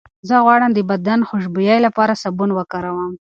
زه غواړم د بدن خوشبویۍ لپاره سابون وکاروم.